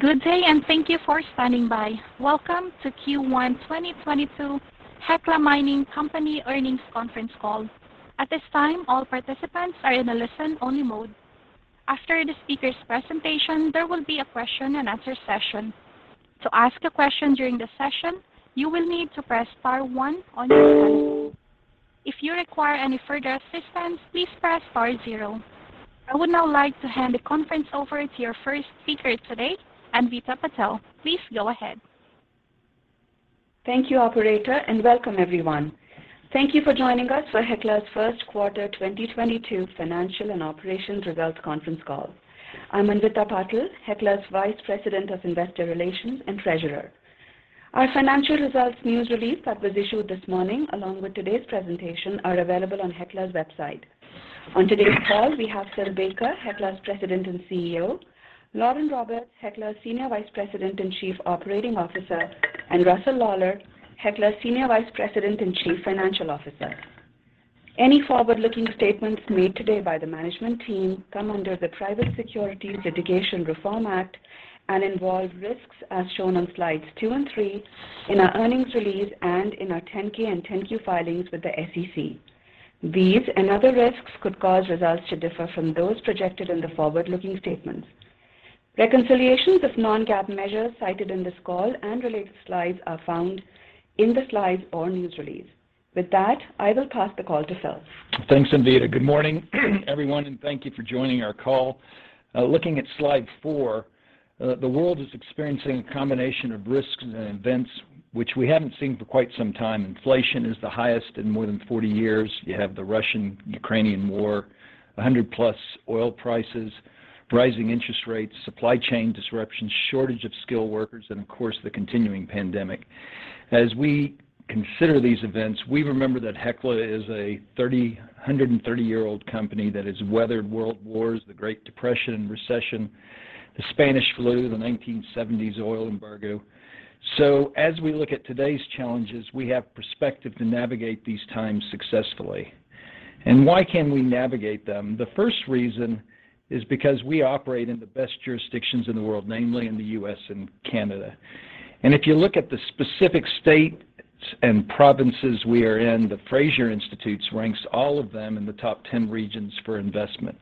Good day and thank you for standing by. Welcome to Q1 2022 Hecla Mining Company Earnings Conference Call. At this time, all participants are in a listen-only mode. After the speaker's presentation, there will be a question and answer session. To ask a question during the session, you will need to press star one on your phone. If you require any further assistance, please press star zero. I would now like to hand the conference over to your first speaker today, Anvita Patil. Please go ahead. Thank you, Operator, and welcome everyone. Thank you for joining us for Hecla's first quarter 2022 financial and operations results conference call. I'm Anvita Patil, Hecla's Vice President of Investor Relations and Treasurer. Our financial results news release that was issued this morning, along with today's presentation, are available on Hecla's website. On today's call, we have Phil Baker, Hecla's President and CEO, Lauren Roberts, Hecla's Senior Vice President and Chief Operating Officer, and Russell Lawlar, Hecla's Senior Vice President and Chief Financial Officer. Any forward-looking statements made today by the management team come under the Private Securities Litigation Reform Act and involve risks as shown on slides two and three in our earnings release and in our 10-K and 10-Q filings with the SEC. These and other risks could cause results to differ from those projected in the forward-looking statements. Reconciliations of non-GAAP measures cited in this call and related slides are found in the slides or news release. With that, I will pass the call to Phil. Thanks, Anvita. Good morning, everyone, and thank you for joining our call. Looking at slide 4, the world is experiencing a combination of risks and events which we haven't seen for quite some time. Inflation is the highest in more than 40 years. You have the Russian-Ukrainian War, $100+ oil prices, rising interest rates, supply chain disruptions, shortage of skilled workers, and of course, the continuing pandemic. As we consider these events, we remember that Hecla is a 133-year-old company that has weathered world wars, the Great Depression, recession, the Spanish Flu, the 1970s oil embargo. As we look at today's challenges, we have perspective to navigate these times successfully. Why can we navigate them? The first reason is because we operate in the best jurisdictions in the world, namely in the U.S. and Canada. If you look at the specific states and provinces we are in, the Fraser Institute ranks all of them in the top 10 regions for investment.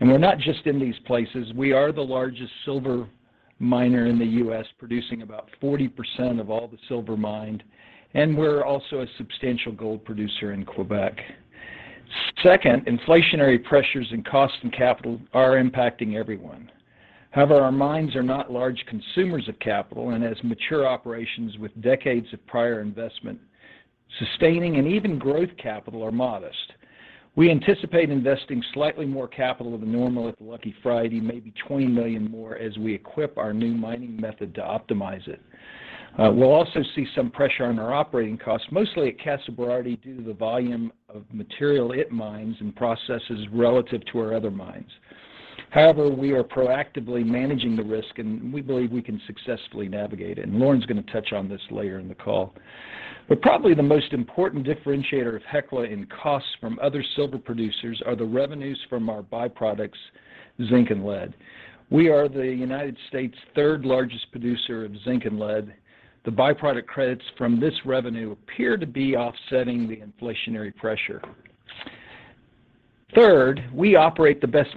We're not just in these places. We are the largest silver miner in the U.S., producing about 40% of all the silver mined, and we're also a substantial gold producer in Quebec. Second, inflationary pressures in cost and capital are impacting everyone. However, our mines are not large consumers of capital, and as mature operations with decades of prior investment, sustaining and even growth capital are modest. We anticipate investing slightly more capital than normal at the Lucky Friday, maybe $20 million more, as we equip our new mining method to optimize it. We'll also see some pressure on our operating costs, mostly at Casa Berardi, due to the volume of material it mines and processes relative to our other mines. However, we are proactively managing the risk, and we believe we can successfully navigate it, and Lauren's going to touch on this later in the call. Probably the most important differentiator of Hecla in costs from other silver producers are the revenues from our byproducts, zinc and lead. We are the United States' third-largest producer of zinc and lead. The by-product credits from this revenue appear to be offsetting the inflationary pressure. Third, we operate the best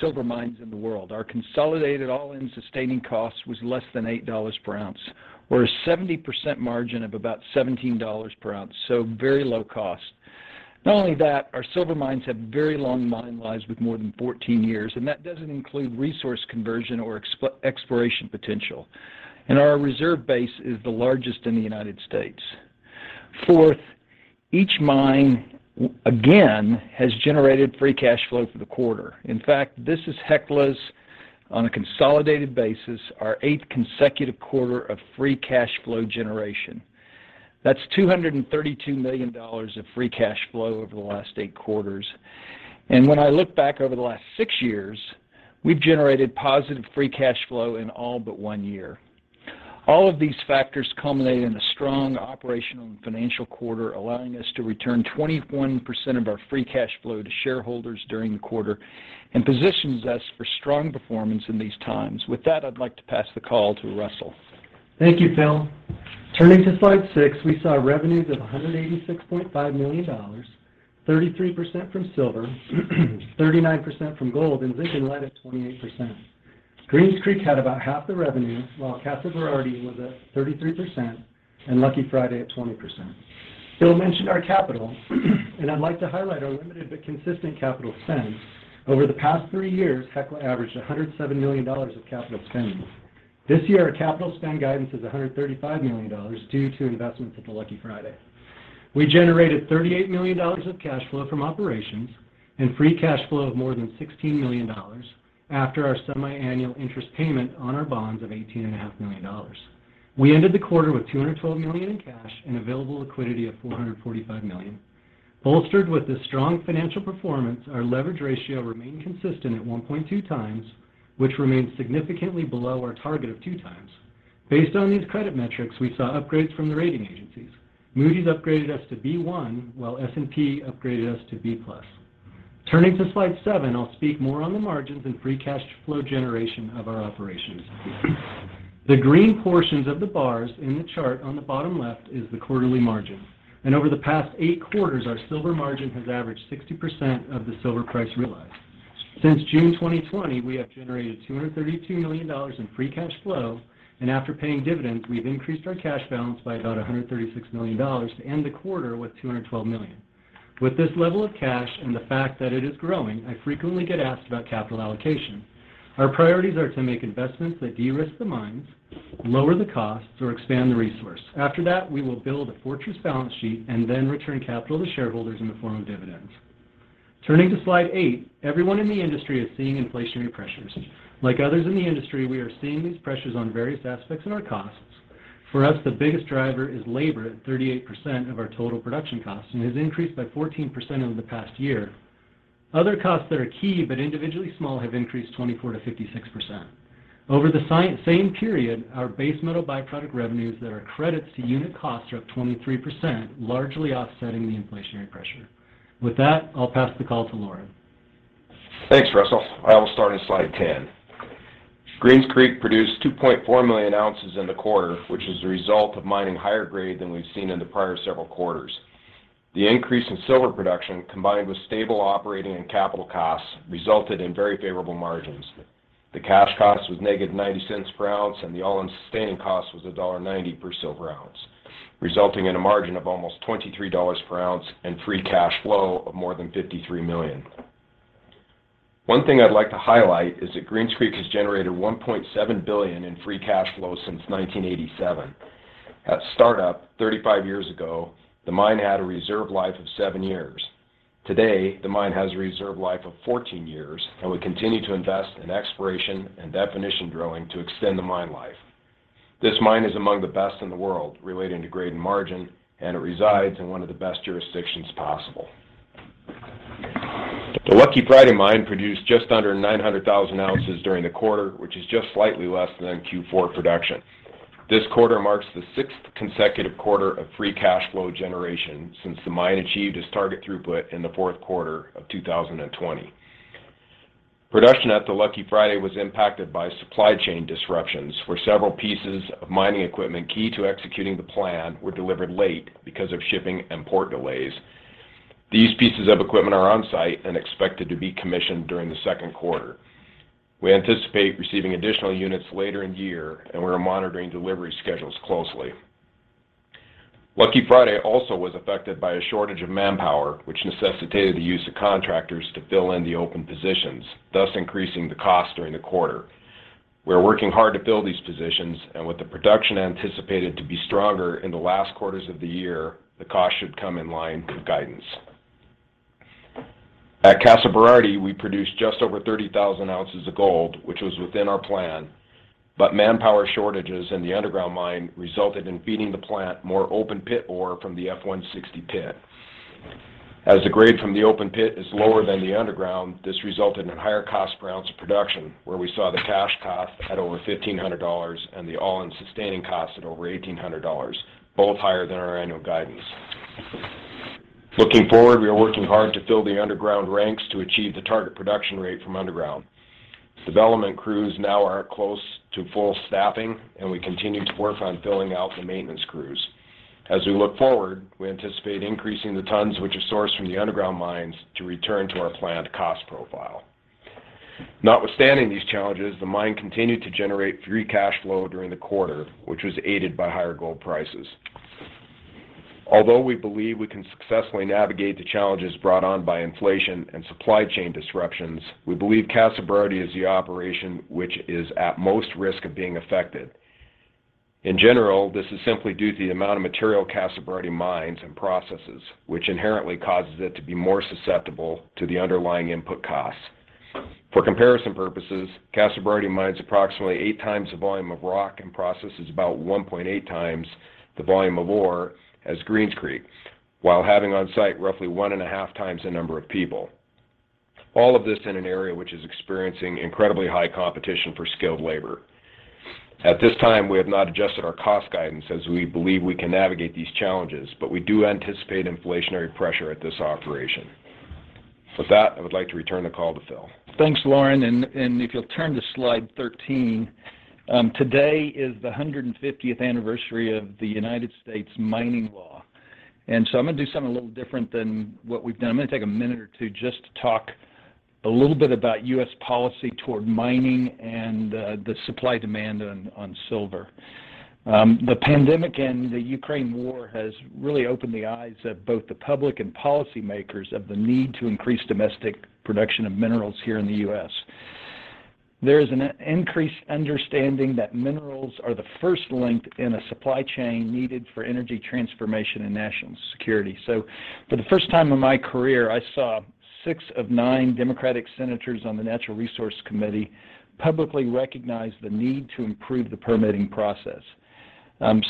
silver mines in the world. Our consolidated all-in sustaining cost was less than $8 per ounce. We're a 70% margin of about $17 per ounce, so very low cost. Not only that, our silver mines have very long mine lives with more than 14 years, and that doesn't include resource conversion or exploration potential. Our reserve base is the largest in the United States. Fourth, each mine has generated free cash flow for the quarter. In fact, this is Hecla's, on a consolidated basis, our eighth consecutive quarter of free cash flow generation. That's $232 million of free cash flow over the last eight quarters. When I look back over the last 6 years, we've generated positive free cash flow in all but 1 year. All of these factors culminated in a strong operational and financial quarter, allowing us to return 21% of our free cash flow to shareholders during the quarter and positions us for strong performance in these times. With that, I'd like to pass the call to Russell. Thank you, Phil. Turning to slide six, we saw revenues of $186.5 million, 33% from silver, 39% from gold, and zinc and lead at 28%. Greens Creek had about half the revenue, while Casa Berardi was at 33% and Lucky Friday at 20%. Phil mentioned our capital, and I'd like to highlight our limited but consistent capital spend. Over the past three years, Hecla averaged $107 million of capital spending. This year, our capital spend guidance is $135 million due to investments at the Lucky Friday. We generated $38 million of cash flow from operations and free cash flow of more than $16 million after our semi-annual interest payment on our bonds of $18.5 million. We ended the quarter with $212 million in cash and available liquidity of $445 million. Bolstered with this strong financial performance, our leverage ratio remained consistent at 1.2 times, which remains significantly below our target of 2 times. Based on these credit metrics, we saw upgrades from the rating agencies. Moody's upgraded us to B1, while S&P upgraded us to B+. Turning to slide seven, I'll speak more on the margins and free cash flow generation of our operations. The green portions of the bars in the chart on the bottom left is the quarterly margin. Over the past 8 quarters, our silver margin has averaged 60% of the silver price realized. Since June 2020, we have generated $232 million in free cash flow, and after paying dividends, we've increased our cash balance by about $136 million to end the quarter with $212 million. With this level of cash and the fact that it is growing, I frequently get asked about capital allocation. Our priorities are to make investments that de-risk the mines, lower the costs, or expand the resource. After that, we will build a fortress balance sheet and then return capital to shareholders in the form of dividends. Turning to slide eight, everyone in the industry is seeing inflationary pressures. Like others in the industry, we are seeing these pressures on various aspects in our costs. For us, the biggest driver is labor at 38% of our total production costs and has increased by 14% over the past year. Other costs that are key but individually small have increased 24%-56%. Over the same period, our base metal byproduct revenues that are credits to unit costs are up 23%, largely offsetting the inflationary pressure. With that, I'll pass the call to Lauren. Thanks, Russell. I will start on slide 10. Greens Creek produced 2.4 million ounces in the quarter, which is a result of mining higher grade than we've seen in the prior several quarters. The increase in silver production, combined with stable operating and capital costs, resulted in very favorable margins. The cash cost was -$0.90 per ounce, and the all-in sustaining cost was $1.90 per silver ounce, resulting in a margin of almost $23 per ounce and free cash flow of more than $53 million. One thing I'd like to highlight is that Greens Creek has generated $1.7 billion in free cash flow since 1987. At startup, 35 years ago, the mine had a reserve life of 7 years. Today, the mine has a reserve life of 14 years, and we continue to invest in exploration and definition drilling to extend the mine life. This mine is among the best in the world relating to grade and margin, and it resides in one of the best jurisdictions possible. The Lucky Friday mine produced just under 900,000 ounces during the quarter, which is just slightly less than Q4 production. This quarter marks the sixth consecutive quarter of free cash flow generation since the mine achieved its target throughput in the fourth quarter of 2020. Production at the Lucky Friday was impacted by supply chain disruptions, where several pieces of mining equipment key to executing the plan were delivered late because of shipping and port delays. These pieces of equipment are on site and expected to be commissioned during the second quarter. We anticipate receiving additional units later in the year, and we are monitoring delivery schedules closely. Lucky Friday also was affected by a shortage of manpower, which necessitated the use of contractors to fill in the open positions, thus increasing the cost during the quarter. We are working hard to fill these positions, and with the production anticipated to be stronger in the last quarters of the year, the cost should come in line with guidance. At Casa Berardi, we produced just over 30,000 ounces of gold, which was within our plan. Manpower shortages in the underground mine resulted in feeding the plant more open pit ore from the F-160 pit. As the grade from the open pit is lower than the underground, this resulted in higher cost per ounce of production, where we saw the cash cost at over $1,500 and the all-in sustaining cost at over $1,800, both higher than our annual guidance. Looking forward, we are working hard to fill the underground ranks to achieve the target production rate from underground. Development crews now are close to full staffing, and we continue to work on filling out the maintenance crews. As we look forward, we anticipate increasing the tons which are sourced from the underground mines to return to our planned cost profile. Notwithstanding these challenges, the mine continued to generate free cash flow during the quarter, which was aided by higher gold prices. Although we believe we can successfully navigate the challenges brought on by inflation and supply chain disruptions, we believe Casa Berardi is the operation which is at most risk of being affected. In general, this is simply due to the amount of material Casa Berardi mines and processes, which inherently causes it to be more susceptible to the underlying input costs. For comparison purposes, Casa Berardi mines approximately 8 times the volume of rock and processes about 1.8 times the volume of ore as Greens Creek, while having on site roughly 1.5 times the number of people. All of this in an area which is experiencing incredibly high competition for skilled labor. At this time, we have not adjusted our cost guidance as we believe we can navigate these challenges, but we do anticipate inflationary pressure at this operation. With that, I would like to return the call to Phil. Thanks, Lauren. If you'll turn to slide 13, today is the 150th anniversary of the United States Mining Law. I'm gonna do something a little different than what we've done. I'm gonna take a minute or two just to talk a little bit about U.S. policy toward mining and the supply-demand on silver. The pandemic and the Ukraine war has really opened the eyes of both the public and policymakers of the need to increase domestic production of minerals here in the U.S. There is an increased understanding that minerals are the first link in a supply chain needed for energy transformation and national security. For the first time in my career, I saw six of nine Democratic senators on the Energy and Natural Resources Committee publicly recognize the need to improve the permitting process.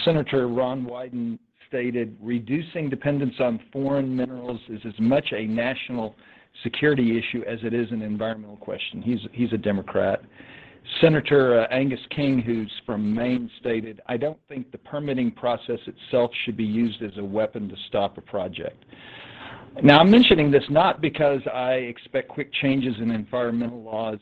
Senator Ron Wyden stated, "Reducing dependence on foreign minerals is as much a national security issue as it is an environmental question." He's a Democrat. Senator Angus King, who's from Maine, stated, "I don't think the permitting process itself should be used as a weapon to stop a project." Now, I'm mentioning this not because I expect quick changes in environmental laws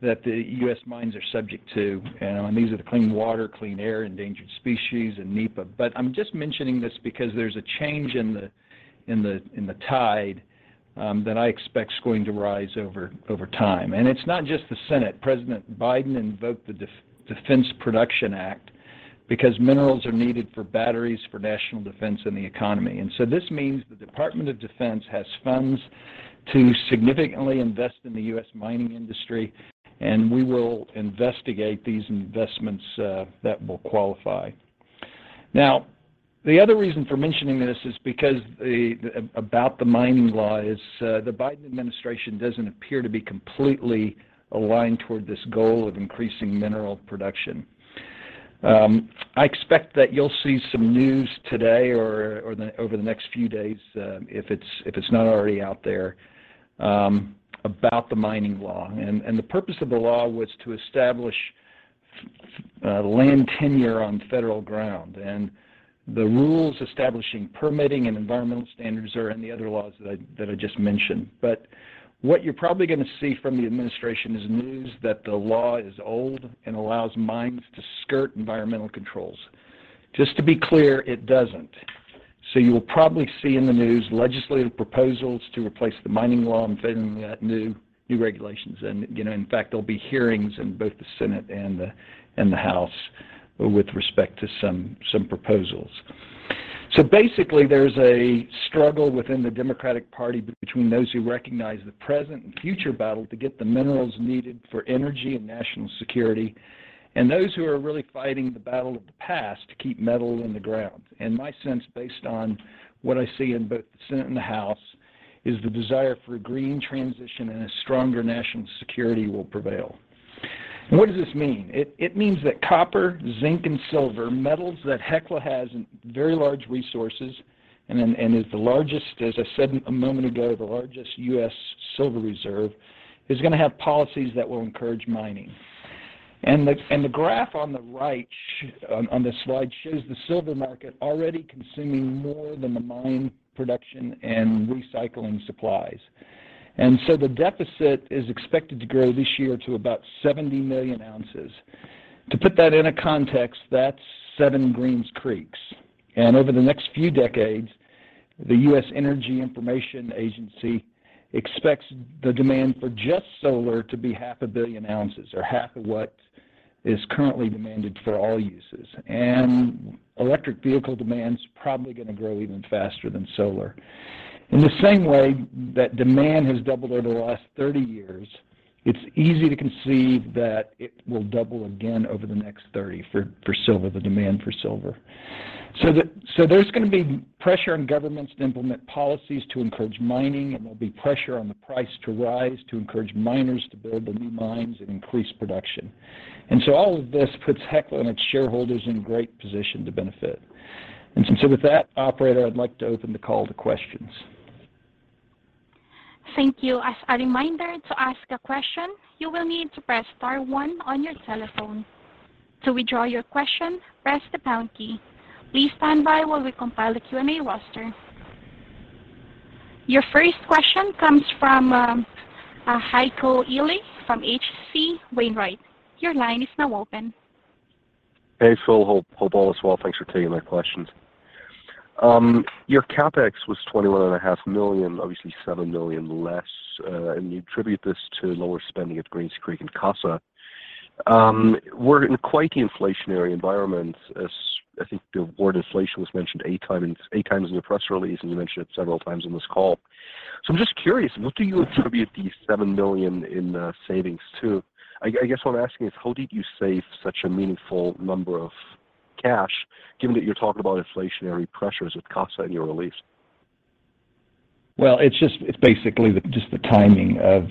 that the U.S. mines are subject to, and these are the Clean Water, Clean Air, Endangered Species, and NEPA. I'm just mentioning this because there's a change in the tide that I expect is going to rise over time. It's not just the Senate. President Biden invoked the Defense Production Act because minerals are needed for batteries for national defense and the economy. This means the Department of Defense has funds to significantly invest in the U.S. mining industry, and we will investigate these investments that will qualify. Now, the other reason for mentioning this is because about the mining law is, the Biden administration doesn't appear to be completely aligned toward this goal of increasing mineral production. I expect that you'll see some news today or over the next few days, if it's not already out there, about the mining law. The purpose of the law was to establish land tenure on federal ground. The rules establishing permitting and environmental standards are in the other laws that I just mentioned. What you're probably gonna see from the administration is news that the law is old and allows mines to skirt environmental controls. Just to be clear, it doesn't. You'll probably see in the news legislative proposals to replace the mining law and fit in that new regulations. You know, in fact, there'll be hearings in both the Senate and the House with respect to some proposals. Basically, there's a struggle within the Democratic Party between those who recognize the present and future battle to get the minerals needed for energy and national security, and those who are really fighting the battle of the past to keep metal in the ground. My sense, based on what I see in both the Senate and the House, is the desire for a green transition and a stronger national security will prevail. What does this mean? It means that copper, zinc, and silver, metals that Hecla has in very large resources and is the largest, as I said a moment ago, the largest U.S. silver reserve, is gonna have policies that will encourage mining. The graph on the right, on this slide shows the silver market already consuming more than the mine production and recycling supplies. The deficit is expected to grow this year to about 70 million ounces. To put that in a context, that's 7 Greens Creeks. Over the next few decades, the U.S. Energy Information Administration expects the demand for just solar to be half a billion ounces, or half of what is currently demanded for all uses. Electric vehicle demand's probably gonna grow even faster than solar. In the same way that demand has doubled over the last 30 years, it's easy to conceive that it will double again over the next 30 for silver, the demand for silver. There's gonna be pressure on governments to implement policies to encourage mining, and there'll be pressure on the price to rise to encourage miners to build the new mines and increase production. All of this puts Hecla and its shareholders in great position to benefit. With that, operator, I'd like to open the call to questions. Thank you. As a reminder, to ask a question, you will need to press star one on your telephone. To withdraw your question, press the pound key. Please stand by while we compile the Q&A roster. Your first question comes from Heiko Ihle from H.C. Wainwright. Your line is now open. Thanks, Phil. Hope all is well. Thanks for taking my questions. Your CapEx was $21.5 million, obviously $7 million less, and you attribute this to lower spending at Greens Creek and Casa. We're in quite the inflationary environment, as I think the word inflation was mentioned eight times in the press release, and you mentioned it several times on this call. I'm just curious, what do you attribute the $7 million in savings to? I guess what I'm asking is, how did you save such a meaningful amount of cash given that you're talking about inflationary pressures with Casa in your release? Well, it's basically just the timing of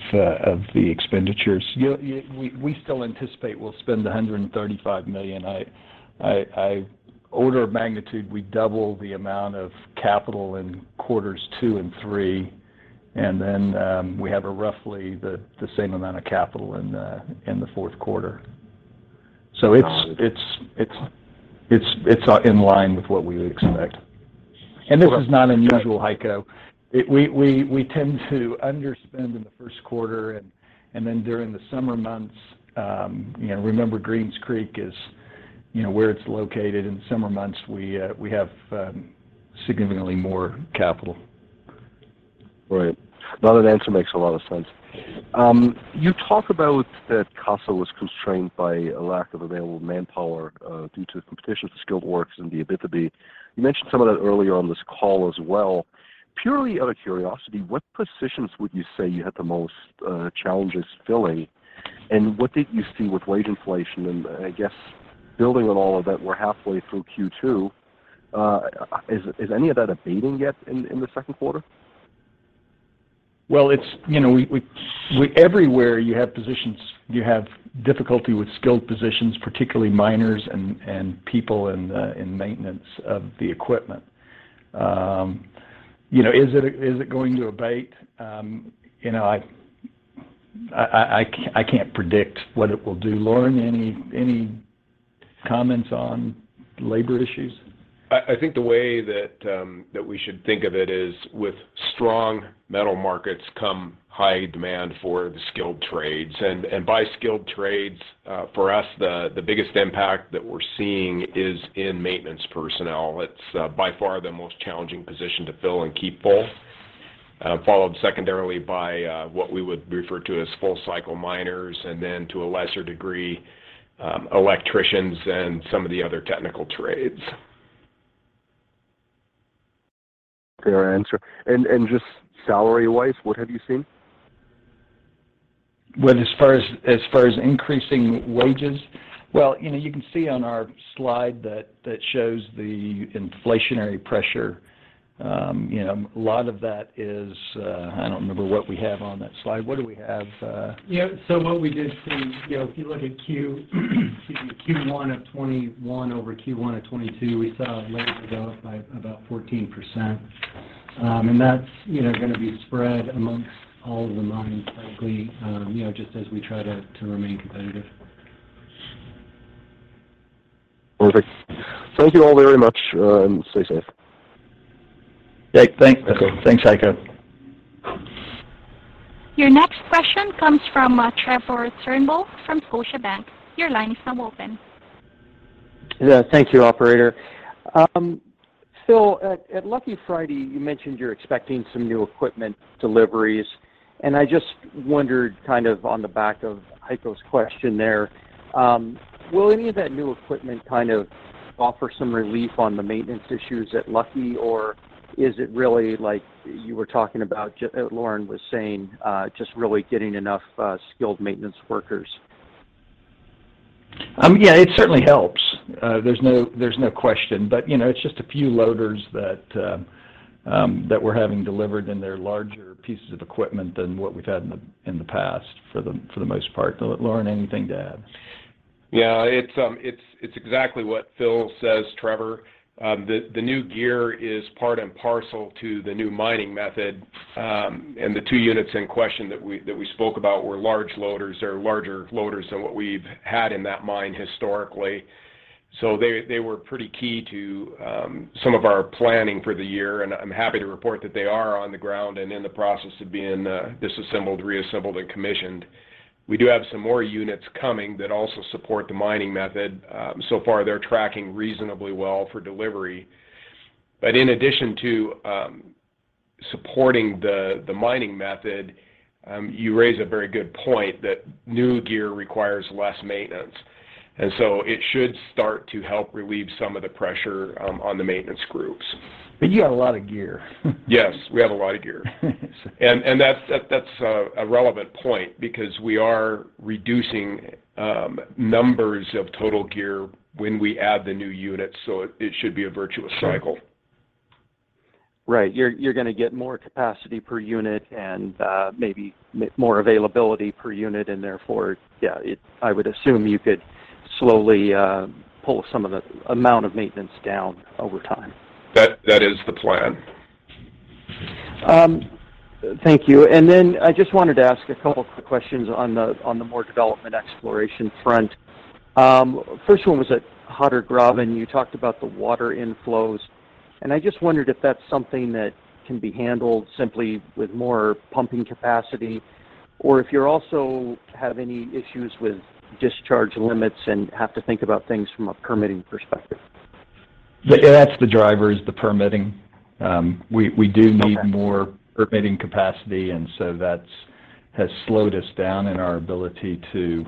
the expenditures. We still anticipate we'll spend $135 million. Order of magnitude, we double the amount of capital in quarters two and three, and then we have roughly the same amount of capital in the fourth quarter. It's Got it. It's in line with what we would expect. This is not unusual, Heiko. We tend to underspend in the first quarter and then during the summer months, you know, remember Greens Creek is, you know, where it's located in the summer months, we have significantly more capital. Right. No, that answer makes a lot of sense. You talk about that Casa was constrained by a lack of available manpower due to competition for skilled workers in the Abitibi. You mentioned some of that earlier on this call as well. Purely out of curiosity, what positions would you say you had the most challenges filling? What did you see with wage inflation? I guess building on all of that, we're halfway through Q2. Is any of that abating yet in the second quarter? Well, it's, you know, everywhere you have positions, you have difficulty with skilled positions, particularly miners and people in maintenance of the equipment. You know, is it going to abate? You know, I can't predict what it will do. Lauren, any comments on labor issues? I think the way that we should think of it is with strong metal markets come high demand for the skilled trades. By skilled trades, for us, the biggest impact that we're seeing is in maintenance personnel. It's by far the most challenging position to fill and keep full, followed secondarily by what we would refer to as full cycle miners, and then to a lesser degree, electricians and some of the other technical trades. Fair answer. Just salary-wise, what have you seen? Well, as far as increasing wages, well, you know, you can see on our slide that shows the inflationary pressure. You know, a lot of that is, I don't remember what we have on that slide. What do we have? What we did see, you know, if you look at Q1 of 2021 over Q1 of 2022, we saw wages go up by about 14%. That's, you know, gonna be spread among all of the mines, frankly, you know, just as we try to remain competitive. Perfect. Thank you all very much, and stay safe. Yeah. Thanks. Okay. Thanks, Heiko. Your next question comes from Trevor Turnbull from Scotiabank. Your line is now open. Yeah. Thank you, operator. Phil, at Lucky Friday, you mentioned you're expecting some new equipment deliveries, and I just wondered kind of on the back of Heiko's question there, will any of that new equipment kind of offer some relief on the maintenance issues at Lucky, or is it really like you were talking about Lauren was saying, just really getting enough skilled maintenance workers? Yeah, it certainly helps. There's no question. You know, it's just a few loaders that we're having delivered, and they're larger pieces of equipment than what we've had in the past for the most part. Lauren, anything to add? Yeah. It's exactly what Phil says, Trevor. The new gear is part and parcel to the new mining method. The two units in question that we spoke about were large loaders. They're larger loaders than what we've had in that mine historically. They were pretty key to some of our planning for the year, and I'm happy to report that they are on the ground and in the process of being disassembled, reassembled, and commissioned. We do have some more units coming that also support the mining method. So far they're tracking reasonably well for delivery. In addition to supporting the mining method, you raise a very good point that new gear requires less maintenance, and so it should start to help relieve some of the pressure on the maintenance groups. You got a lot of gear. Yes. We have a lot of gear. That's a relevant point because we are reducing numbers of total gear when we add the new units, so it should be a virtuous cycle. Right. You're gonna get more capacity per unit and, maybe more availability per unit, and therefore, yeah, I would assume you could slowly pull some of the amount of maintenance down over time. That is the plan. Thank you. I just wanted to ask a couple of quick questions on the more development exploration front. First one was at Hatter Graben, and you talked about the water inflows, and I just wondered if that's something that can be handled simply with more pumping capacity, or if you also have any issues with discharge limits and have to think about things from a permitting perspective. Yeah. That's the driver is the permitting. We do need- Okay. more permitting capacity, and so that has slowed us down in our ability to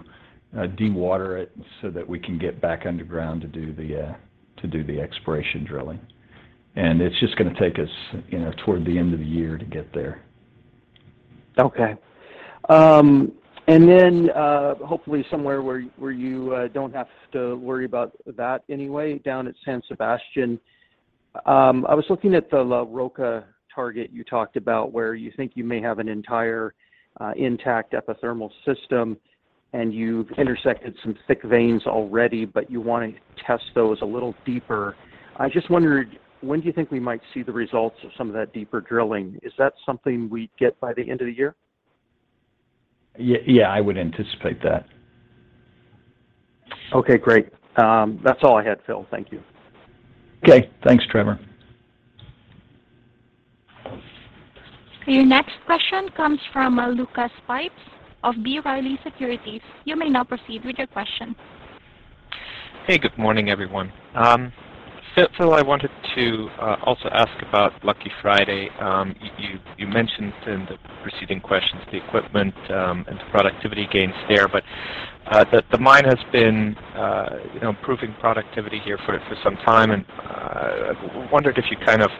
dewater it so that we can get back underground to do the exploration drilling. It's just gonna take us, you know, toward the end of the year to get there. Okay. Hopefully somewhere where you don't have to worry about that anyway, down at San Sebastián, I was looking at the La Roca target you talked about where you think you may have an entire intact epithermal system, and you've intersected some thick veins already, but you want to test those a little deeper. I just wondered, when do you think we might see the results of some of that deeper drilling? Is that something we'd get by the end of the year? Yeah, yeah, I would anticipate that. Okay, great. That's all I had, Phil. Thank you. Okay. Thanks, Trevor. Your next question comes from Lucas Pipes of B. Riley Securities. You may now proceed with your question. Hey. Good morning, everyone. Phil, I wanted to also ask about Lucky Friday. You mentioned in the preceding questions the equipment and the productivity gains there, but the mine has been, you know, improving productivity here for some time, and I wondered if you kind of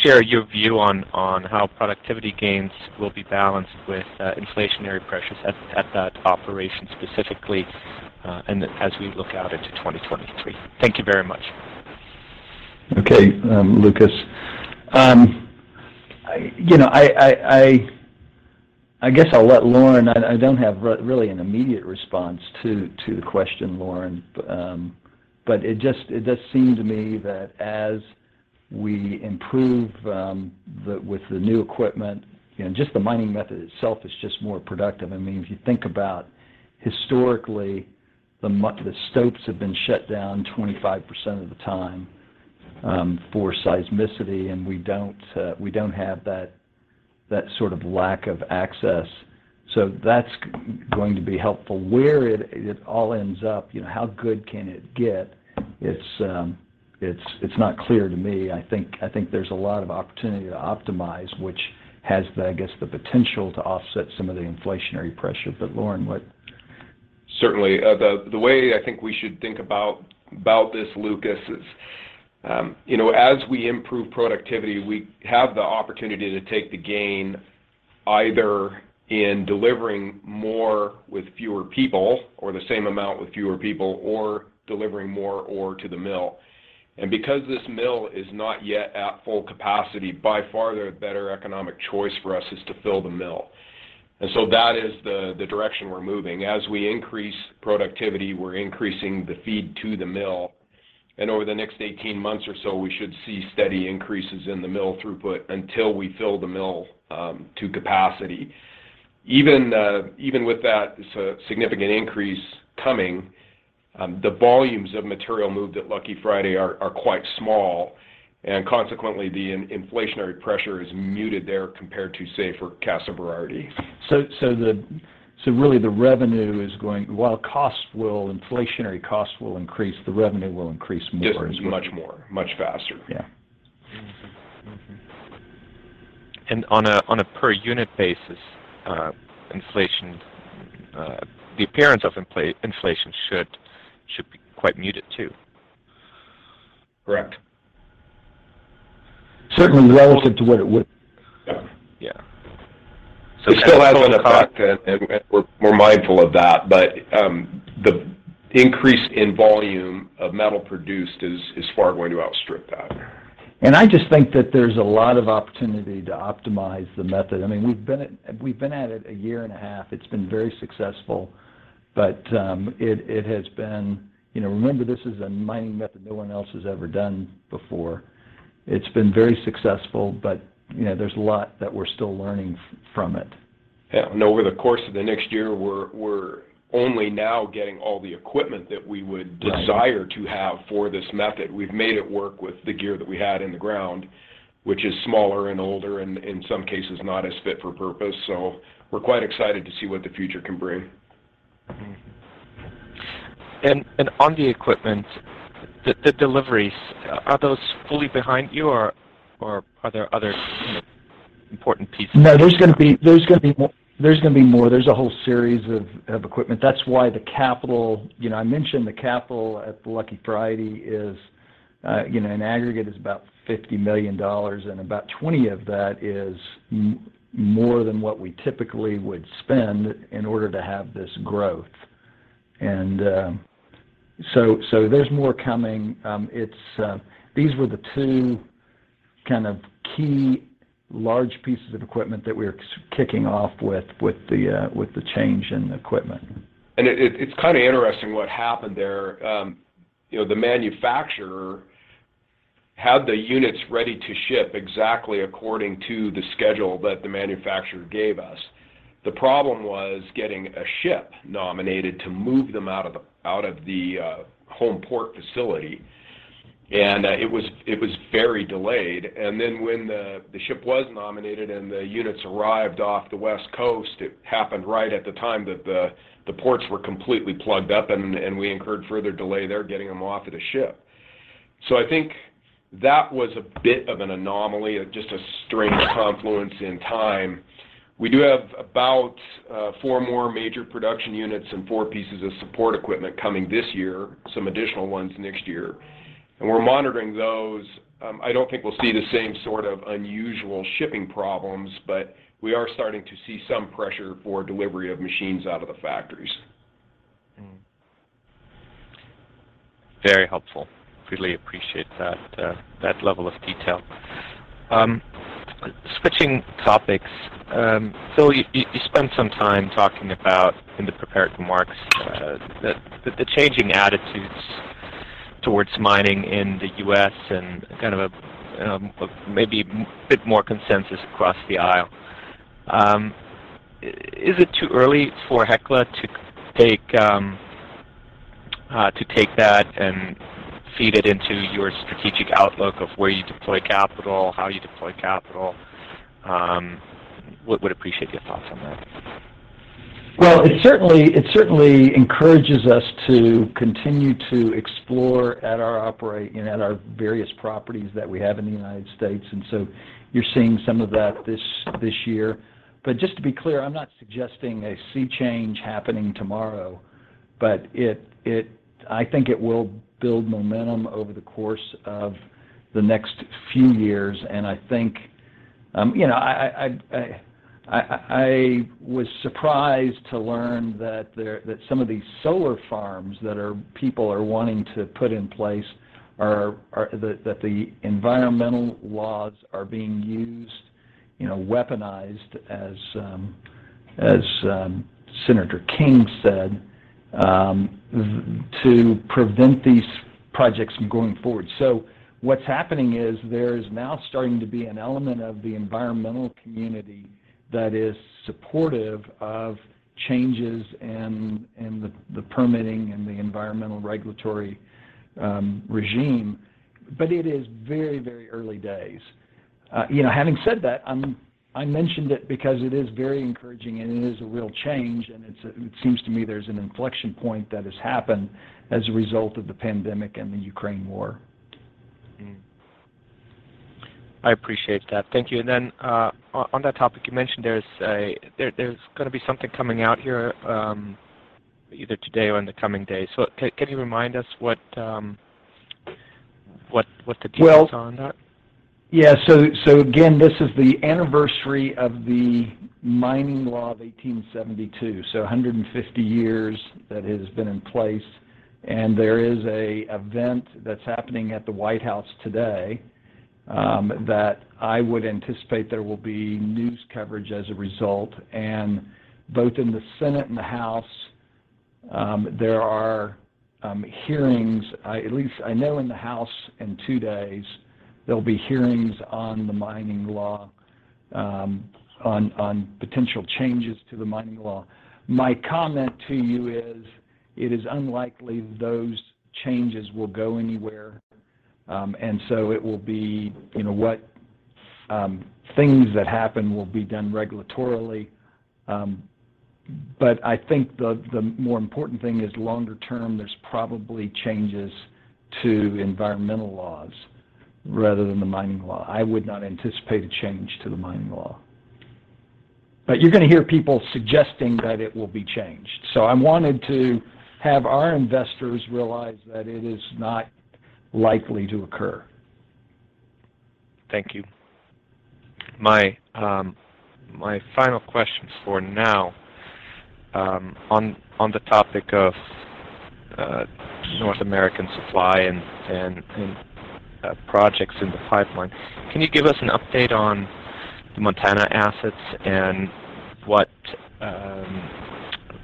could share your view on how productivity gains will be balanced with inflationary pressures at that operation specifically, and as we look out into 2023. Thank you very much. Okay. Lucas. I guess I'll let Lauren. I don't have really an immediate response to the question, Lauren. It just seemed to me that as we improve with the new equipment and just the mining method itself is just more productive. I mean, if you think about historically the stopes have been shut down 25% of the time for seismicity, and we don't have that sort of lack of access. That's going to be helpful. Where it all ends up, you know, how good can it get, it's not clear to me. I think there's a lot of opportunity to optimize, which has the, I guess, the potential to offset some of the inflationary pressure. Lauren, what? Certainly. The way I think we should think about this, Lucas, is, you know, as we improve productivity, we have the opportunity to take the gain either in delivering more with fewer people or the same amount with fewer people, or delivering more ore to the mill. Because this mill is not yet at full capacity, by far, the better economic choice for us is to fill the mill. That is the direction we're moving. As we increase productivity, we're increasing the feed to the mill, and over the next 18 months or so, we should see steady increases in the mill throughput until we fill the mill to capacity. Even with that significant increase coming, the volumes of material moved at Lucky Friday are quite small, and consequently, the inflationary pressure is muted there compared to, say, for Casa Berardi. Really the revenue is going. While costs will, inflationary costs will increase, the revenue will increase more as well. Yes, much more, much faster. Yeah. Mm-hmm. Mm-hmm. On a per unit basis, inflation, the appearance of inflation should be quite muted too. Correct. Certainly relative to what it would. Yeah. Yeah. It still has an effect and we're mindful of that, but the increase in volume of metal produced is far going to outstrip that. I just think that there's a lot of opportunity to optimize the method. I mean, we've been at it a year and a half. It's been very successful. You know, remember this is a mining method no one else has ever done before. It's been very successful, but you know, there's a lot that we're still learning from it. Yeah. Over the course of the next year, we're only now getting all the equipment that we would. Right... desire to have for this method. We've made it work with the gear that we had in the ground, which is smaller and older and in some cases not as fit for purpose. We're quite excited to see what the future can bring. Mm-hmm. On the equipment, the deliveries, are those fully behind you or are there other, you know, important pieces? No, there's gonna be more. There's a whole series of equipment. That's why the capital. You know, I mentioned the capital at the Lucky Friday is, you know, in aggregate is about $50 million, and about 20 of that is more than what we typically would spend in order to have this growth. There's more coming. These were the two kind of key large pieces of equipment that we're kicking off with the change in equipment. It's kind of interesting what happened there. You know, the manufacturer had the units ready to ship exactly according to the schedule that the manufacturer gave us. The problem was getting a ship nominated to move them out of the home port facility, and it was very delayed. When the ship was nominated and the units arrived off the West Coast, it happened right at the time that the ports were completely plugged up and we incurred further delay there getting them off of the ship. I think that was a bit of an anomaly, just a strange confluence in time. We do have about four more major production units and 4 pieces of support equipment coming this year, some additional ones next year, and we're monitoring those. I don't think we'll see the same sort of unusual shipping problems, but we are starting to see some pressure for delivery of machines out of the factories. Mm-hmm. Very helpful. Really appreciate that level of detail. Switching topics, Phil, you spent some time talking about in the prepared remarks the changing attitudes towards mining in the U.S. and kind of a maybe a bit more consensus across the aisle. Is it too early for Hecla to take that and feed it into your strategic outlook of where you deploy capital, how you deploy capital? Would appreciate your thoughts on that. It certainly encourages us to continue to explore, you know, at our various properties that we have in the United States, and so you're seeing some of that this year. Just to be clear, I'm not suggesting a sea change happening tomorrow, but it will build momentum over the course of the next few years, and I think you know, I was surprised to learn that some of these solar farms people are wanting to put in place are that the environmental laws are being used, you know, weaponized as Senator King said to prevent these projects from going forward. What's happening is there is now starting to be an element of the environmental community that is supportive of changes in the permitting and the environmental regulatory regime. It is very, very early days. You know, having said that, I mentioned it because it is very encouraging, and it is a real change, and it's, it seems to me there's an inflection point that has happened as a result of the pandemic and the Ukraine war. I appreciate that. Thank you. Then, on that topic, you mentioned there's gonna be something coming out here, either today or in the coming days. Can you remind us what the details are on that? Well, yeah. Again, this is the anniversary of the Mining Law of 1872, so 150 years that has been in place. There is an event that's happening at the White House today that I would anticipate there will be news coverage as a result. Both in the Senate and the House, there are hearings. At least I know in the House in two days, there'll be hearings on the mining law, on potential changes to the mining law. My comment to you is, it is unlikely those changes will go anywhere. It will be, you know, what, things that happen will be done regulatorily. I think the more important thing is longer term, there's probably changes to environmental laws rather than the mining law. I would not anticipate a change to the mining law. You're gonna hear people suggesting that it will be changed. I wanted to have our investors realize that it is not likely to occur. Thank you. My final question for now, on the topic of North American supply and projects in the pipeline. Can you give us an update on the Montana assets and what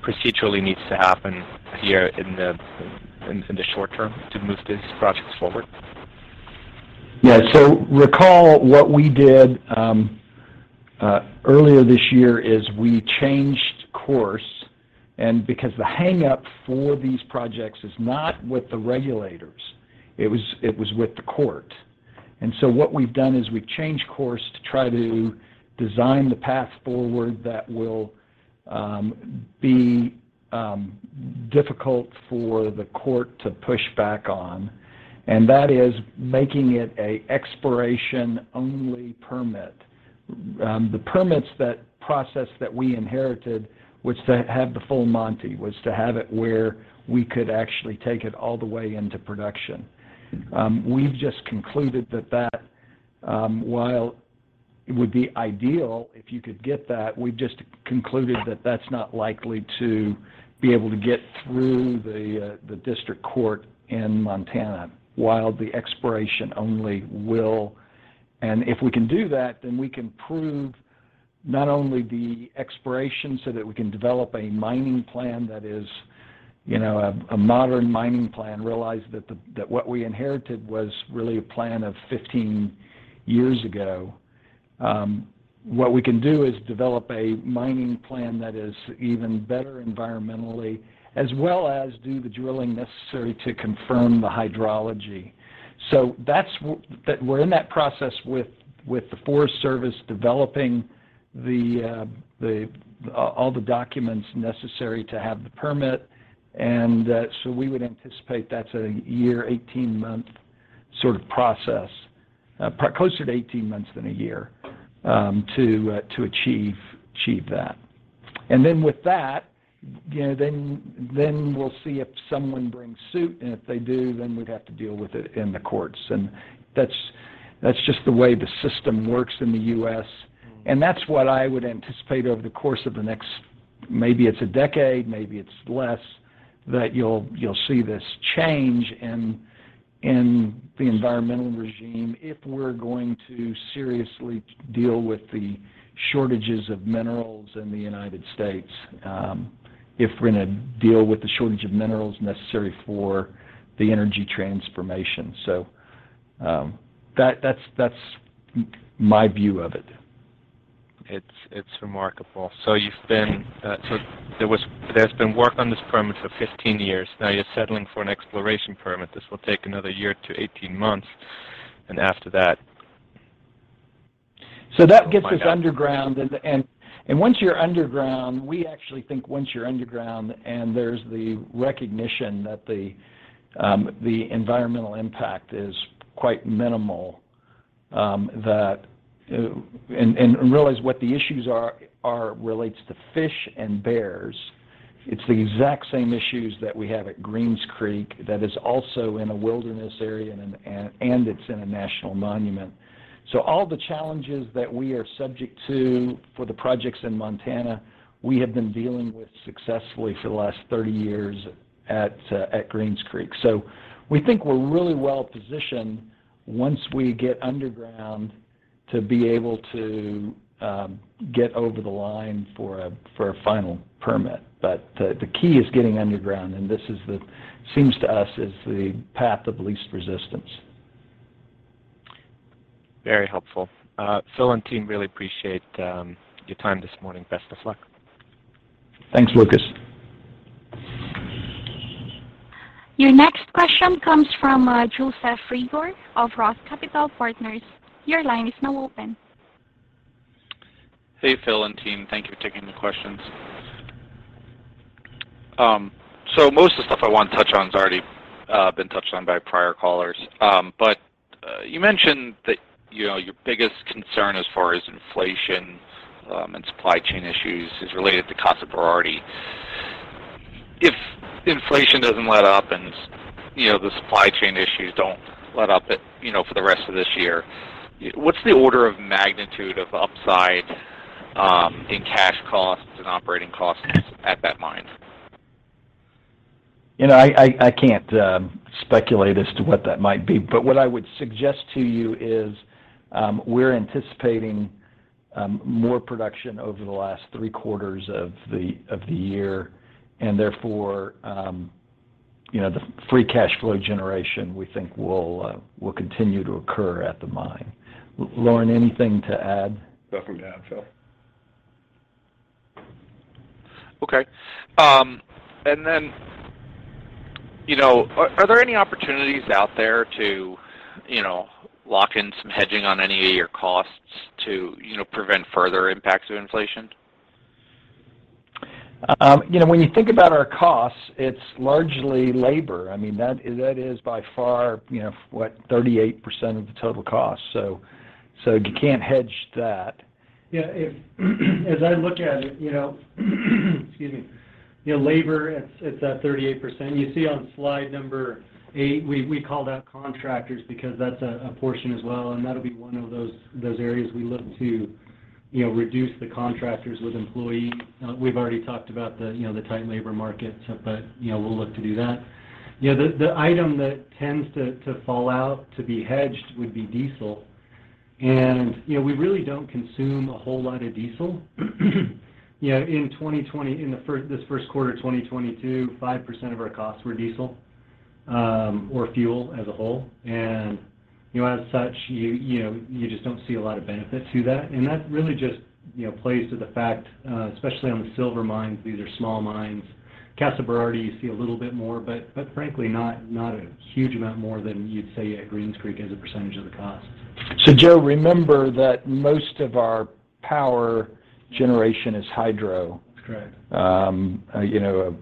procedurally needs to happen here in the short term to move these projects forward? Recall what we did earlier this year is we changed course, and because the hangup for these projects is not with the regulators, it was with the court. What we've done is we've changed course to try to design the path forward that will be difficult for the court to push back on. That is making it an exploration-only permit. The permits process that we inherited, which to have the full monty, was to have it where we could actually take it all the way into production. We've just concluded that while it would be ideal if you could get that, we've just concluded that that's not likely to be able to get through the district court in Montana. While the exploration only will... If we can do that, then we can prove not only the exploration so that we can develop a mining plan that is a modern mining plan, realize that what we inherited was really a plan of 15 years ago. What we can do is develop a mining plan that is even better environmentally, as well as do the drilling necessary to confirm the hydrology. That's what we're in that process with the Forest Service developing all the documents necessary to have the permit. We would anticipate that's a year, 18-month sort of process, closer to 18 months than a year, to achieve that. With that, you know, then we'll see if someone brings suit, and if they do, then we'd have to deal with it in the courts. That's just the way the system works in the U.S. Mm. That's what I would anticipate over the course of the next, maybe it's a decade, maybe it's less, that you'll see this change in the environmental regime if we're going to seriously deal with the shortages of minerals in the United States, if we're gonna deal with the shortage of minerals necessary for the energy transformation. That's my view of it. It's remarkable. There's been work on this permit for 15 years, now you're settling for an exploration permit. This will take another year to 18 months, and after that. That gets us underground. Once you're underground, we actually think once you're underground and there's the recognition that the environmental impact is quite minimal, that realize what the issues are relates to fish and bears. It's the exact same issues that we have at Greens Creek that is also in a wilderness area, and it's in a national monument. All the challenges that we are subject to for the projects in Montana, we have been dealing with successfully for the last 30 years at Greens Creek. We think we're really well positioned once we get underground to be able to get over the line for a final permit. The key is getting underground, and this seems to us is the path of least resistance. Very helpful. Phil and team, really appreciate your time this morning. Best of luck. Thanks, Lucas. Your next question comes from Joseph Reagor of ROTH Capital Partners. Your line is now open. Hey, Phil and team. Thank you for taking the questions. Most of the stuff I want to touch on has already been touched on by prior callers. You mentioned that, you know, your biggest concern as far as inflation and supply chain issues is related to Casa Berardi. If inflation doesn't let up and, you know, the supply chain issues don't let up, you know, for the rest of this year, what's the order of magnitude of upside in cash costs and operating costs at that mine? You know, I can't speculate as to what that might be, but what I would suggest to you is, we're anticipating more production over the last three quarters of the year, and therefore, you know, the free cash flow generation, we think will continue to occur at the mine. Lauren, anything to add? Nothing to add, Phil. Okay. You know, are there any opportunities out there to, you know, lock in some hedging on any of your costs to, you know, prevent further impacts of inflation? You know, when you think about our costs, it's largely labor. I mean, that is by far, you know, what 38% of the total cost. You can't hedge that. Yeah. If, as I look at it, you know, excuse me, you know, labor, it's that 38%. You see on slide number 8, we call that contractors because that's a portion as well, and that'll be one of those areas we look to, you know, reduce the contractors with employee. We've already talked about the, you know, the tight labor market, but, you know, we'll look to do that. You know, the item that tends to fall out to be hedged would be diesel. You know, we really don't consume a whole lot of diesel. You know, in this first quarter, 2022, 5% of our costs were diesel or fuel as a whole. You know, as such, you know, you just don't see a lot of benefit to that. That really just, you know, plays to the fact, especially on the silver mines, these are small mines. Casa Berardi, you see a little bit more, but frankly, not a huge amount more than you'd see at Greens Creek as a percentage of the cost. Joe, remember that most of our power generation is hydro. That's correct. You know,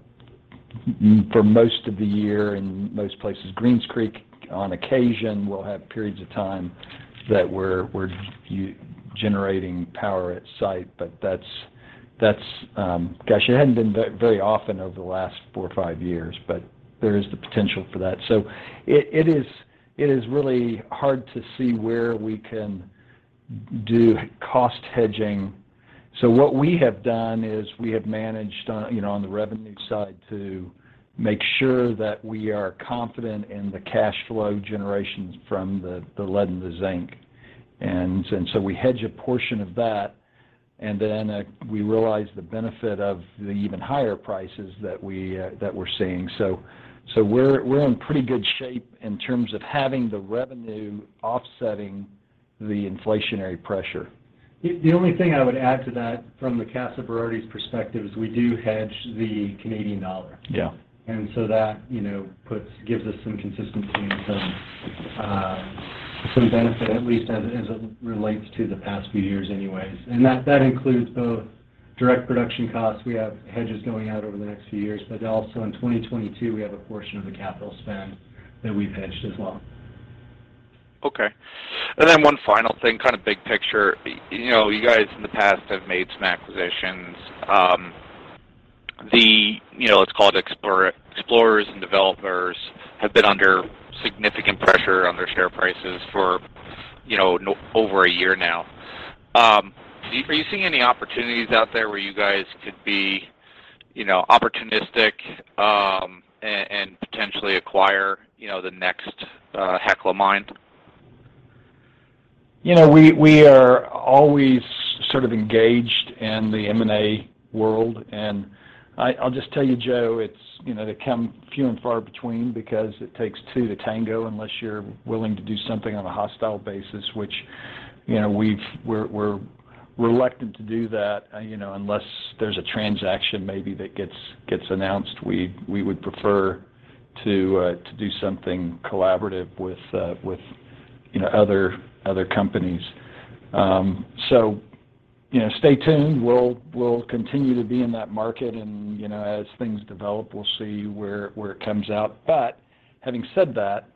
for most of the year in most places, Greens Creek, on occasion, will have periods of time that we're generating power at site, but it hadn't been very often over the last four or five years, but there is the potential for that. It is really hard to see where we can do cost hedging. What we have done is we have managed on, you know, on the revenue side to make sure that we are confident in the cash flow generations from the lead and the zinc, so we hedge a portion of that, and then we realize the benefit of the even higher prices that we're seeing. We're in pretty good shape in terms of having the revenue offsetting the inflationary pressure. The only thing I would add to that from the Casa Berardi's perspective is we do hedge the Canadian dollar. Yeah. That gives us some consistency and some benefit, at least as it relates to the past few years anyways. That includes both direct production costs. We have hedges going out over the next few years, but also in 2022, we have a portion of the capital spend that we've hedged as well. Okay. One final thing, kind of big picture. You know, you guys in the past have made some acquisitions. The, you know, let's call it explorers and developers have been under significant pressure on their share prices for, you know, over a year now. Are you seeing any opportunities out there where you guys could be, you know, opportunistic, and potentially acquire, you know, the next Hecla mine? You know, we are always sort of engaged in the M&A world. I'll just tell you, Joe, it's, you know, they come few and far between because it takes two to tango, unless you're willing to do something on a hostile basis, which, you know, we're reluctant to do that, you know, unless there's a transaction maybe that gets announced. We would prefer to do something collaborative with, you know, other companies. You know, stay tuned. We'll continue to be in that market and, you know, as things develop, we'll see where it comes out. Having said that,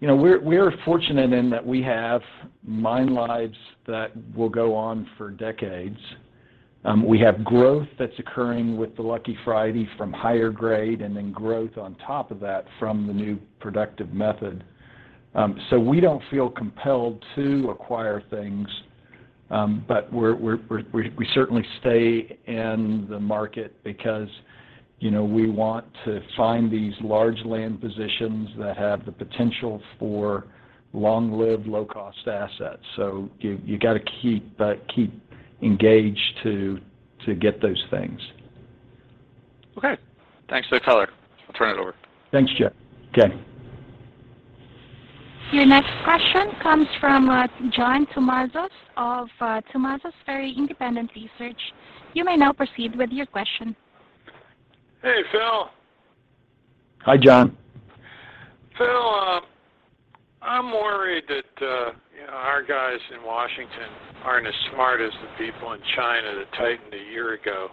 you know, we're fortunate in that we have mine lives that will go on for decades. We have growth that's occurring with the Lucky Friday from higher grade and then growth on top of that from the new productive method. We don't feel compelled to acquire things. We certainly stay in the market because, you know, we want to find these large land positions that have the potential for long-lived, low-cost assets. You gotta keep engaged to get those things. Okay. Thanks, Phil Baker. I'll turn it over. Thanks, J Your next question comes from John Tumazos of John Tumazos Very Independent Research. You may now proceed with your question. Hey, Phil. Hi, John. Phil, I'm worried that, you know, our guys in Washington aren't as smart as the people in China that tightened a year ago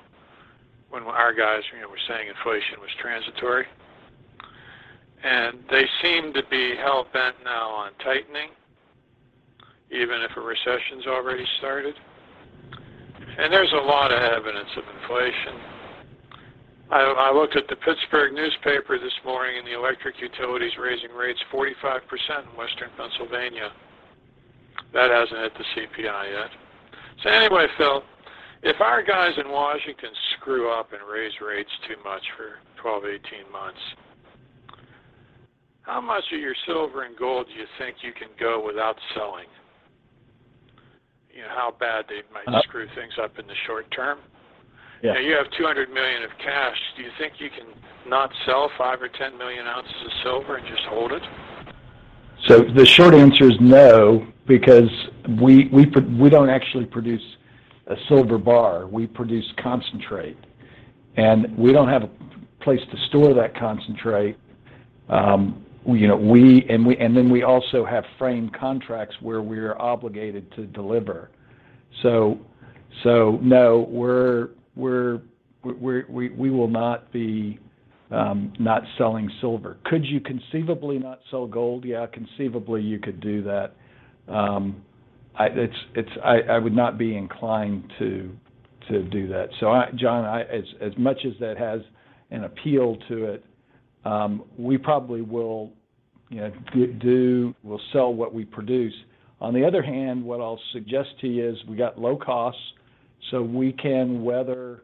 when our guys, you know, were saying inflation was transitory. They seem to be hell-bent now on tightening, even if a recession's already started. There's a lot of evidence of inflation. I looked at the Pittsburgh newspaper this morning, and the electric utility's raising rates 45% in Western Pennsylvania. That hasn't hit the CPI yet. Anyway, Phil, if our guys in Washington screw up and raise rates too much for 12-18 months, how much of your silver and gold do you think you can go without selling? You know, how bad they might screw things up in the short term. Yeah. Now, you have $200 million of cash. Do you think you can not sell 5 or 10 million ounces of silver and just hold it? The short answer is no, because we don't actually produce a silver bar. We produce concentrate. We don't have a place to store that concentrate. We also have firm contracts where we're obligated to deliver. No, we will not be not selling silver. Could you conceivably not sell gold? Yeah, conceivably, you could do that. I would not be inclined to do that. John, as much as that has an appeal to it, we probably will, you know, do. We'll sell what we produce. On the other hand, what I'll suggest to you is we got low costs, so we can weather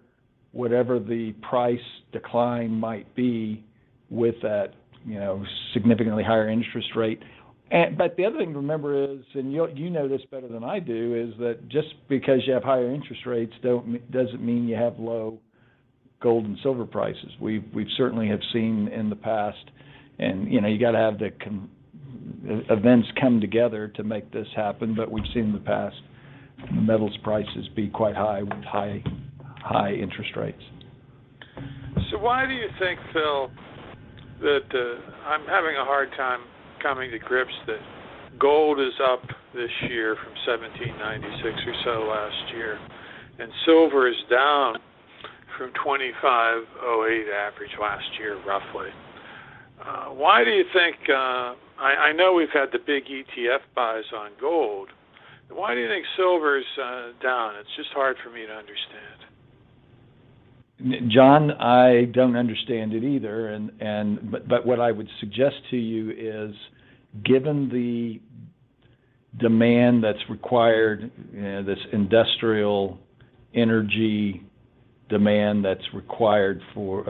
whatever the price decline might be with that, you know, significantly higher interest rate. The other thing to remember is, and you know this better than I do, is that just because you have higher interest rates doesn't mean you have low gold and silver prices. We've certainly seen in the past, and, you know, you gotta have the events come together to make this happen. But we've seen in the past the metals prices be quite high with high interest rates. Why do you think, Phil, that I'm having a hard time coming to grips that gold is up this year from $1,796 we saw last year, and silver is down from $25.08 average last year, roughly. I know we've had the big ETF buys on gold. Why do you think silver is down? It's just hard for me to understand. John, I don't understand it either. What I would suggest to you is, given the demand that's required, you know, this industrial energy demand that's required for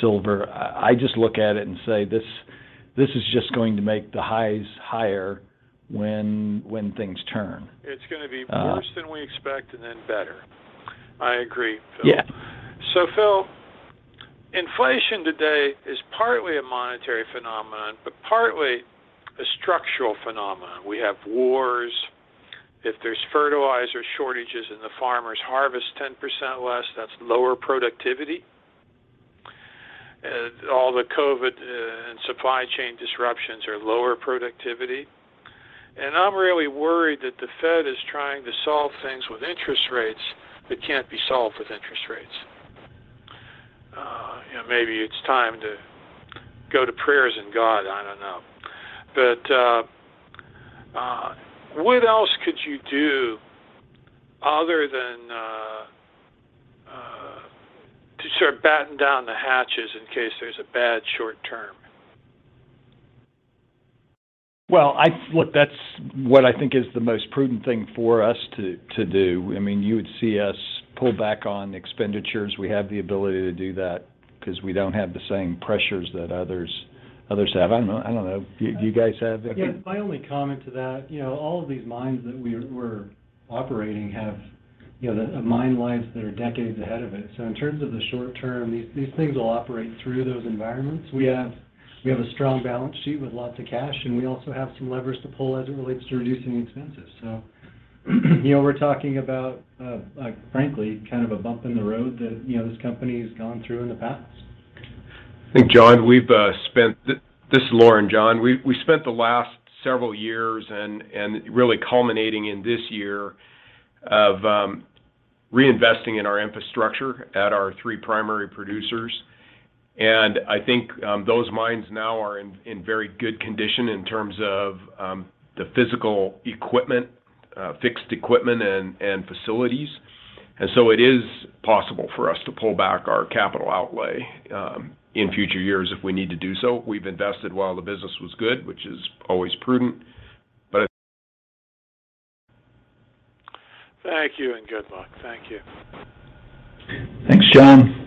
silver, I just look at it and say, "This is just going to make the highs higher when things turn. It's gonna be worse than we expect and then better. I agree, Phil. Yeah. Phil, inflation today is partly a monetary phenomenon, but partly a structural phenomenon. We have wars. If there's fertilizer shortages and the farmers harvest 10% less, that's lower productivity. All the COVID and supply chain disruptions are lower productivity. I'm really worried that the Fed is trying to solve things with interest rates that can't be solved with interest rates. You know, maybe it's time to go to prayers and God, I don't know. What else could you do other than to start battening down the hatches in case there's a bad short term? Well, look, that's what I think is the most prudent thing for us to do. I mean, you would see us pull back on expenditures. We have the ability to do that because we don't have the same pressures that others have. I don't know. Do you guys have? Yeah. My only comment to that, you know, all of these mines that we're operating have, you know, the mine lives that are decades ahead of it. In terms of the short term, these things will operate through those environments. We have a strong balance sheet with lots of cash, and we also have some levers to pull as it relates to reducing the expenses. You know, we're talking about frankly, kind of a bump in the road that, you know, this company has gone through in the past. I think, John, we've spent. This is Lauren, John. We spent the last several years and really culminating in this year of reinvesting in our infrastructure at our three primary producers. I think those mines now are in very good condition in terms of the physical equipment, fixed equipment and facilities. So it is possible for us to pull back our capital outlay in future years if we need to do so. We've invested while the business was good, which is always prudent. Thank you and good luck. Thank you. Thanks, John.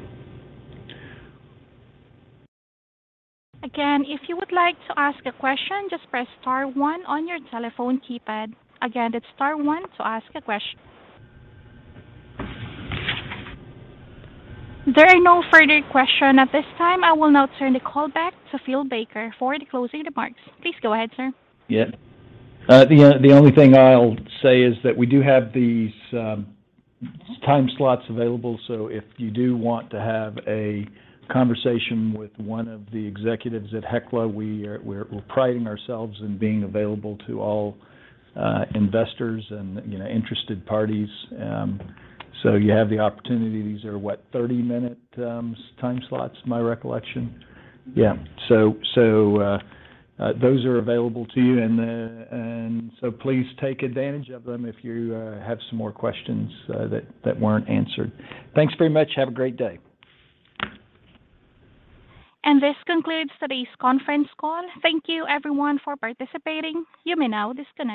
There are no further questions at this time. I will now turn the call back to Phil Baker for the closing remarks. Please go ahead, sir. Yeah. The only thing I'll say is that we do have these time slots available, so if you do want to have a conversation with one of the executives at Hecla, we're priding ourselves in being available to all investors and, you know, interested parties. You have the opportunity. These are what? Thirty-minute time slots, my recollection. Yeah. Those are available to you and so please take advantage of them if you have some more questions that weren't answered. Thanks very much. Have a great day. This concludes today's conference call. Thank you everyone for participating. You may now disconnect.